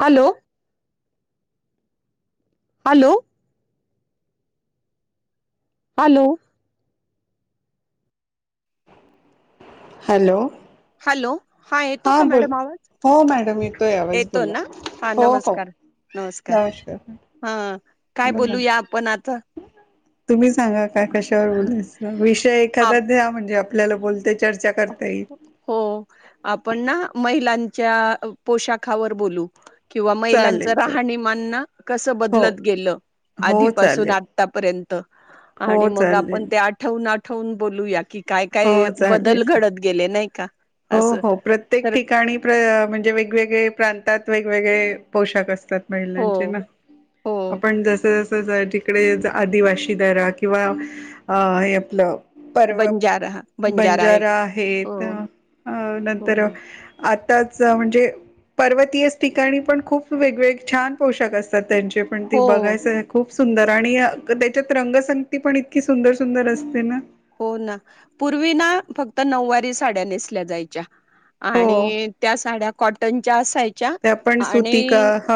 Hello. Hello. Hello. Hello hello हा येतो का हां बोल मॅडम हो मॅडम येतोय आवाज आवाज येतो बोला ना हा हो हो नमस्कार नमस्कार हा काय बोला ना बोलूया आपण आता तुम्ही सांगा काय कशावर बोलायच विषय आप एखादा द्या म्हणजे आपल्याला बोलता हो आपण ना महिलां पोशाखावर बोलू किंवा महिलांच चालेल चालेल राहणी मानणं कस हो बदलत गेलं हो आधीपासून चालेल आत्तापर्यंत हो आणि मग आपण चालेल ते आठवून आठवून बोलूया की काय काय हो ब बदल चालेल घडत गेले नाही का हो असं हो प्रत्येक तर ठिकाणी म्हणजे वेगवेगळे प्रांतात व वेगळे पोषाख असतात हो महिलांचे ना हो आपण जस जस इडे आदिवास दराा किंवा अ हे आपलं पर्व बंजारा एक बंजारा हो आहेत अ हो नंतर आताच म्हणजे पर्वतीयच ठिकाणी पण खूप वेगवेगळे छान पोषाख असत तर त्यांचे पण तेी हो, बघायचं खूप सुंदर आणि त्याच्यात रंगसंगती पण इतकी सुंदर सुंदर असते ना हो ना पूर्वी ना फक्त नऊवारी साड्या नेसल्या जायच्या हो आणि त्या साड्या कॉटनच्या असाय त्या पण सुती का ह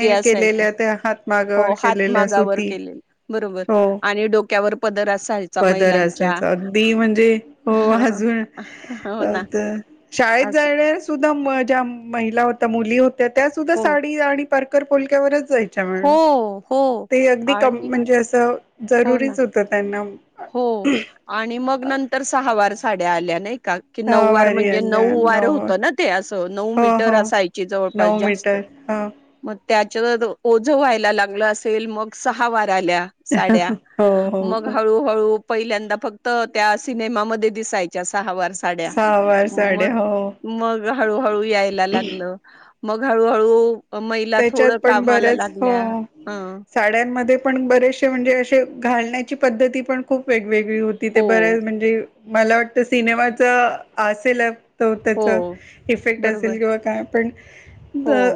ती असायच्या केलेल्या त्या हातमागावर केलेल्या हातगवर सुती बरोबर हो आणि डोक्यावर पदर असायचा दर महिलांच्या. असायच अदी म्हणजे हो अजून हो अ ना तर शाळेत असं जाण्या सुद्धा ज्या महिला होत्या मुली होत्या त्या सुद्धा हो, साडी आणि परकर पोलक्यावरच हो, हो ते अगदी क आणि म्हणजे अस हो ना जरुरीच होतं त्यांना हो आणि मग नंतर सहा वार साड्या आल्या नाही का की नऊ वार सहावारी म्हणजे आल्या नऊ वार होतं ना ते असं नऊ मीटर असायची जवळपास जास्त हा त्याच्या ओझं व्हायला लागलं असेल मग सहा वा ल्या साड्या हो हो म हो ळू पहिल्यांदा फक्त त्या सिनेमामध्ये दिसायच्या अस सहा वार साड्या सहावार म साड्या हो मग हळू हळू यायला लागल मग हाळू हाळू त्याच्यात पण बर्याच हो ह साड्यांमध्ये पण बरेचसे म्हणजे असे घालण्याची पद्धती पण खूप वेगवेगळी होती ते हो बर्याच म्हणजे मला वाटतं सिनेमाच असेल त हो त्याच इफेक्ट बरोबर असेल किंवा काय हो पणळ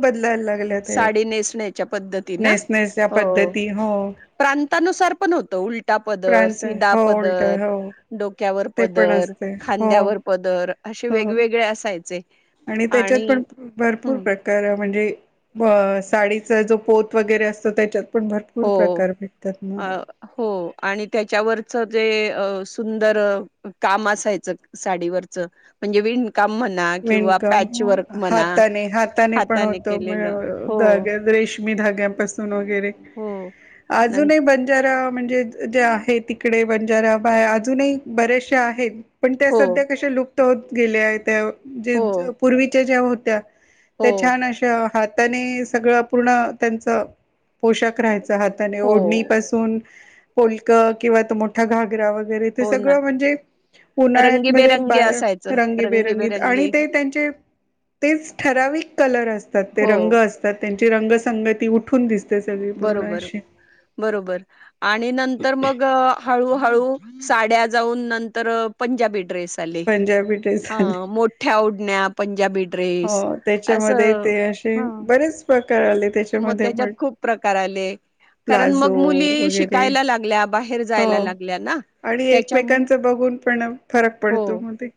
बदलायला लागल्यात साडी नेसण्याच्या पद्धती ना नेस नस हो पद्धती हो प्रांतानुसार पण होतं उलटा पदर प्रांत सिधा हो उलट पदर हो डोक्यावर ते पण पदर असते हो खांद्यावर पदर असे हो वेगवेगळे असायचे आणि त्याच्यात पण भरपूर हं, प्रकार म्हणजे साडीचा जो पोत वगैरे असतो त्याच्यात पण भरपूर हो प्रकार भेटतात ना हो आणि त्याच्यावरच जे सुंदर काम असायच साडीवरच म्हणे कम म्हणा हाताने हाताने पण होते केलेलं. हो, मी धाग्यापासून वगैरे हो. नं अजूनही बंजारा म्हणजे जे आहे तिकडे बंजारा बाय अजूनही बरेचसेा आहेत पण त्या हो, सध्या कश्या लुप्त होत गेल्या त्या जे हो, पूर्वीच्या ज्या होत्या हो, त्या छान अशा हाताने सगळ पूर्ण त्यांच पोषक राहायचं ात हो, ओढणी पासून पोलक किंवा मोठा घागरा व र हो ना. सगळ म्हणजे उन्हाळ्यात रंगीबेरंगी बा असायचं रंग बेरंगी आणि रंगीबेरंगी. ते त्यांचे तेच ठराविक कलर असतात ते हो, रंग असतात त्यां रंगसंगती उठून दिसते सगळी पूर्ण बरोबर अशी बरोबर आणि नंतर मग हळूहळू साड्या जाऊन नंतर पंजाबी ड्रेस पंजाबी ड्रेस आले मोठ्या डण्या पंजाबी े हो अस त्याच्यामध्ये ते असे बरेच प्रकार आले मग त्याच्यामध्ये त्याच्यात पण खूप प्रकार आले कारण प्लाझो मग मुली वगैरे शिकायला लागल्या बाहेर हो जायला लागल्या ना आणि त्याच्यामुळे एकमेकांचा बघून पण फरक हो, पडतो मध्ये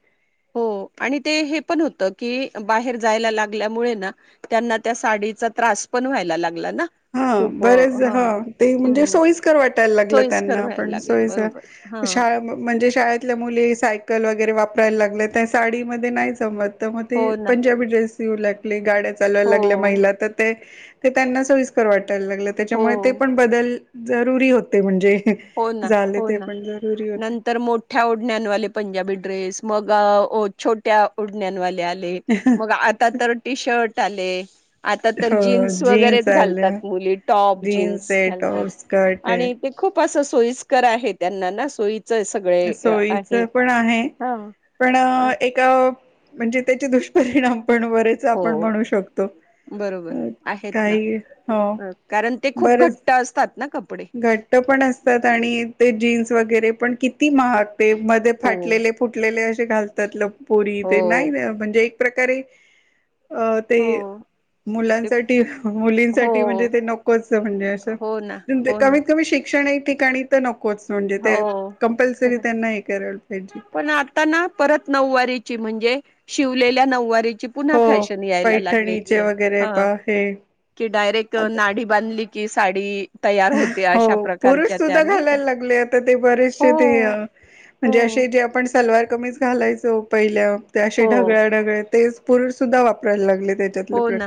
हो आणि ते हे पण होत की बाहेर जायला लागल्यामुळे ना त्यांना त्या साडीचा त्रास पण व्हायला लागला ना हा खूप अ, बरच ह हां, ते म्हणजे हं, सोयकर वाटायला लागलं सोयीस्कर त्यांना व्हायला पण सो लागलं. बरोबर. हां, म्हणजे शाळेतल्या मुली साय ल वगैरे वापरायला लागलं त्या साडीमध्ये नाही जमत तर मग ते हो ना. पंजाबी ड्रेस ऊ लागली गाड्या चालायला हो लागल्या महिला तर ते त्यांना सोईस्कर वाट यला लाग हो त्याच्यामुळे ते पण बदल जरुरी होते म्हणजे हो ना झाले हो ते ना पण जरुरी होते नंतर मोठ्या ओढण्यावाले पंजाबी ड्रेस मग छोट्या ओढण्यावाले आले, मग आता तर टी शर्ट [unintelligible] आता तर हो जीन्स वगैरेच आल्या घालतात. मुली टॉप जीन्स आहे घालतात टॉप स्कर्ट आणि आहे ते खूप अस सोईस्कर आहे त्यांना ना सोय सोईच पण आहे हा पण ए म्हणजे त्याचे दुष्परिणाम पण बरेच हो आपण म्हणू शकतो. अ, बरोबर आहेत ना काही हो कारण ते खूप बरेच घट्ट असतात ना कपडे घट्ट पण असतात आणि ते जीन्स वगैरे पण कि ती महागते मध्ये हो फाटलेले फुटलेले असे घालतात ल पोरी हो ते नाही म्हणजे एक प्रकारे अं ते हो ते मुलांसाठी हो मुलींसाठी म्हणजे ते नकोच म्हणजे असं हो ना हो ना कमीत कमी शिक्षण ठिकाणी तर न हो खरंय, हे करायला पाहिजे पण आता ना परत नऊवारीची म्हणजे शिवलेल्या नऊवारी ची पुन्हा हो फॅशन यायला लागलेली पैठणीचे वगैरे आहे. पा हे कि डायरेक्ट नाडि बांधली कि साडी तयार होते. अशा प्रकारच्या त्या नाही का? ते आता हो बरेचशे ते हो म्हणजे अशे जे आपण सलवार कमीज घालायचो पहिल्या ते. असे हो ढगळ्या ढगळ्या ते पुरुष सुद्धा वापरायला लागलेत. हो ना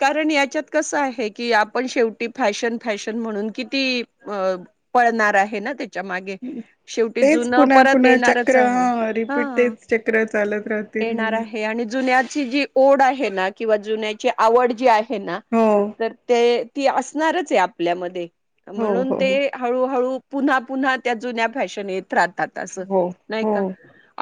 कारण याच्यात कसं आहे की, आपण पण शेवटी फॅशन फॅशन म्हणून किती पळणार आहे ना ते? मागे शेवटी तेच जुनं पुन्हा परत पुन्हा येणारच चक्र आहे. हा रिपीट हं तेच चक्र चालत राहते येणार नेहमी आहे आणि जुन्याची जी ओढ आहे ना, किंवा जुन्याची आवड जी आहे ना हो तर ते ती असणारच आहे आपल्यामध्ये, हो म्हणून हो ते हळूहळू पुन्हा पुन्हा त्या जुन्या फॅशन येत रााहातात असं हो नाही हो का?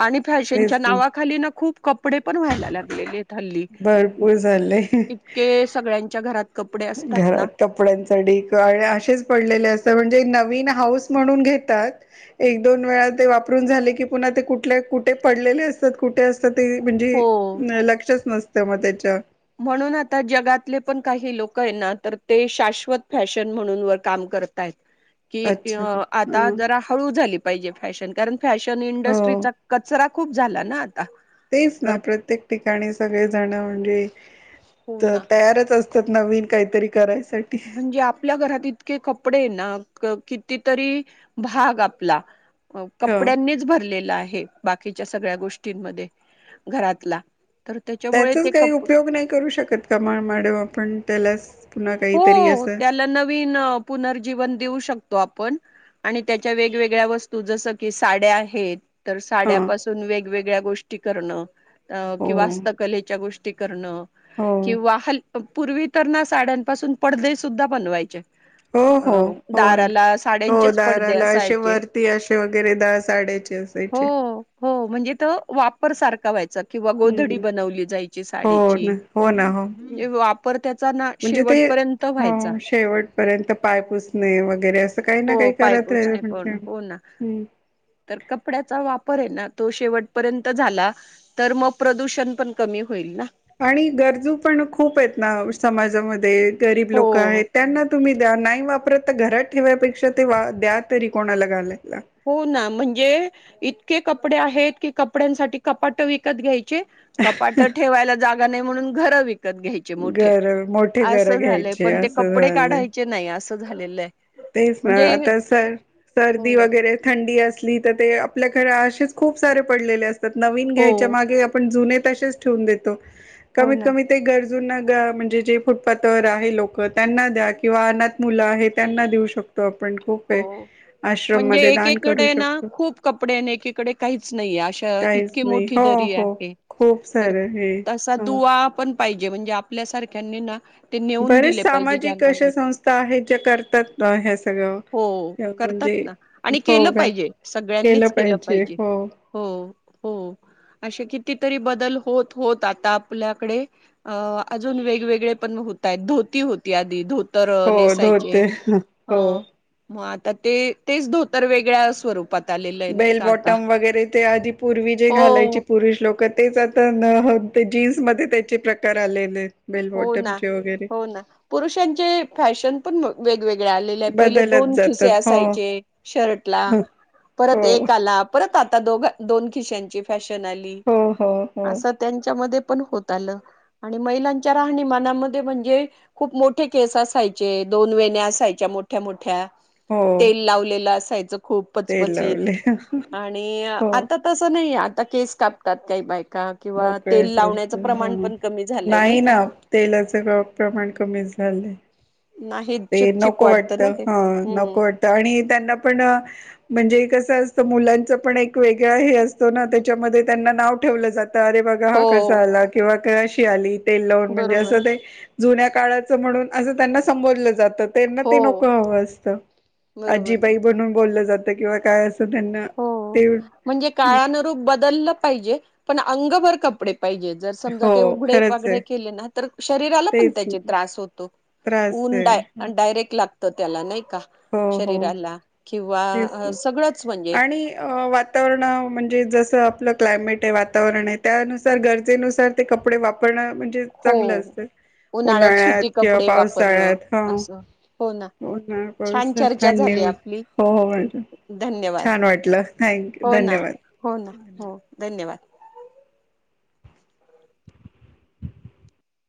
आणि फॅशनच्या तेच ना नावाखाली ना खूप कपडे पण व्हायला लागलेले हल्ली भरपूर झालंय इतके सगळ्यांच्या घरात कपडे असतात ना घरात कपड्यांचा ढिगारा असेच पडलेले असता म्हणजे नवीन हाऊस म्हणून घेतात एक दोन वेळा ते वापरून झाले की पुन्हा ते कुठ कुठे पडलेले असतात कुठे असतात ते म्हणजे हो लक्षच नस तं मग त्याच्या म्हणून आता जगातले पण काही लोक आहे ना तर ते शाशवत फॅशन म्हणून वर काम कर करताय कि अच्छा आता ह जरा हळू झाली पाहिजे फॅशन कारण फॅशन हो इंडस्ट्रीचा कचरा खूप झालं ना आत तेच ना प्रत्येक ठिकाणी सगळेजण म्हणजे हो ना तयारच असत नवीन काहीतरी करायसाठी म्हणजे आपल्या घरात इतके कपडे ना कि कितीतरी भाग आपला ह कपड्यांनीच भरलेला आहे. हे बाकीच्या सगळ्या गोष्टींमध्ये घरातला तर त्याच्यामुळे त्याचाच ते काही कप उपयोग नाही करू शकत का मॅडम आपण त्याला पुन्हा काही हो त्याला नवीन पुनर्जीवन देऊ शक शकतो आपण आणि त्याच्या वेगवेगळ्या वस्तू जस की साड्या आहेत तर हा साड्यापासून वेगवेगळ्या गोष्टी करणं अ हो किवास्तकलेच्या गोष्टी करणं हो किंवा हल पूर्वी तर ना साड्यांपासून पडदे सुद्धा बनवायचे. हो अ हो हो दाराला हो साड्यांचेच पडदे दाराला अशे असायचे. वरती असे वगैरे दहा साड्याचे हो असायचे हो म्हणजे तो वापर सारखा व्हायचा. किंवा गोधडी हम्म. बनवली जायची हो साडीची ना हो ना हो म्हणजे वापर त्याचा ना शेवट शेवट पर्यंत पाय पुसणे वगैरे अस हो पायपोचणे पण हो ना, हम्म. तर कपड्याचा वापर हे ना तो शेवटपर्यंत झाला तर मग प्रदूषण पण कमी होईल ना आणि गरजू पण खूप आहेत ना, समाजामध्ये गरीब हो लोक आहेत त्यांना तुम्ही द नाही वापरत तर घरात ठेवायपेक्षा ते द्या तरी कोणाला घालायला हो ना, म्हणजे इतके कपडे आहेत की कपड्यांसाठी कपाटं विकत घ्याय चे कपाट ठेवायला जागा नाही म्हणून घर विकायचे. त घ्यायचे मोठे घर मोठे घर असं झालंय, घ्यायचे पण ते असं कपडे झालंय. काढायचे नाही असं झालेलं आहे. तेच ना, म्हणजे आता सर हो सर्दी ना वगैरे थंडी असली तर ते आपल्या कडे असेच खूप सारे पडलेले अस नवीन हो घ्यायच्या मागे आपण जुने तसेच ठेवून देतो. हो कमीत ना कमी ते गरजूना, ग म्हणजे जे फुटपाथ वर आहे लोक त्यांना द्या किंवा अनाथ मुलं आहे त्यांना देऊ शकतो आपण, खूप हो आहे आश्रम म्हणजे मध्ये दान करू एकेकडे ना शकतो खूप कपडे एकेकडे काहीच नाहीे, अशा काहीच इतकी नाही मोठी हो दरी हो आहे खूप तर सारे हे असा हो दुआ आपणं पाहिजे म्हणजे आपल्या सारख्यांनी ना ते नेऊन दिले बरेच पाहिजे. सामाजिक ज्यांना अशा नाही संस्था आहेत ज्या करतातना ह्या सगळ, हो करतात म्हणजे ना आणि हो केलं का पाहिजे सगळ्यांनीच केलं पाहिजे, हो असे कितीतरी बदल होत होत आता आपल्याकडे अ अजून वेगवेगळे पण होतायत, धोती होती आधी, धोतर अ हो धोते नेसायचे हो ह मग आता ते तेच धोतर वेगळ्या स्वरूप बेल बॉटम वगैरे ते आधी पूर्वी जे हो घालायचे पुरुष लोक तेच आता ते जीन्स मध्ये त्याचे प्रकार आलेलेत. हो ना, हो ना पुरुषांचे फॅशन पण वेगवेग गळे आलेले आहेत. पहिले बदलत दोन खिसे जातात हो असायचे शर्टला, परत हो एक आला परत आता दोघं दोन खिशांची फॅशन आली, हो हो हो अस त्यांच्यामध्ये ता होत आलं, आणि महि लांच्या राहणीमानामध्ये म्हण णजे खूप मोठे केस असायचे, दोन वेण्या् असायच्या मोठ्या मोठ्या हो तेल लावलेलं असाय खूप ते पचपचित लावले आणि हो आता तसं नाही आहे, आता केस कापतात काही बायक का किंवा तेल मोकळे सोडत लावण्याचं प्रमाण पण कमी झालंय नाही का. तेलाच प्रमाण कमी झालंय. नाही ते चिपचिप नको वाटत वाटतं ना ते ह, हम्म. नको वाटत आणि त्यांना पण म्हणजे कसं असत, मुलांचं पण एक वेगळ हे असतो ना, त्याच्यामध्ये त्यांना नाव ठेवलं जात अरे बघा हो हा कसा आला, किंवा अशी आली तेल लावून म्हणजे असं बरोबर ते जुन्या काळाचं म्हणून असं त्यांना संबोधलं जातं. त्यांना हो. ते नको हवं असतं, बरोबर आजीबाई ना. म्हणून बोललं जातं किंवा काय अस हो म्हणजे काळानुरूप बदललं पाहिजे पण अंगभर कपडे पाहिजे, जर समजा हो ते उघडे खरंच पागडे आहे केले ना तर शरीराला पण तेच त्याचे त्रास होतो. त्रास ऊन आहे डाय डायरेक्ट लागत. तर त्याला नाही का, हो हो शरीराला तेच किंवा ना सगळंच म्हणजे आणि वातावरण म्हणजे जसं आपलं क्लायमेट आहे, वातावरण आहे त्यानुसार गरजेनुसार ते कपडे वापरणं म्हणजे हो चांगलं असतं. उन्हाळ्यात सुती किंवा कपडे वापरणं पावससाळ्यात, हा असं. हो ना उन्हा छान चर्चा थंडी झाली आपली हो हो, धन्यवाद. छान वाटलं, थँक्यू, हो ना धन्यवाद. हो ना हो, धन्यवाद.